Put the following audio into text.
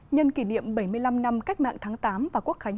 nhân kỷ niệm bảy mươi năm năm cách mạng tháng tám và quốc khánh